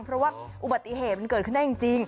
เพราะว่าอุบัติเหตุมันเกิดขึ้นได้จริง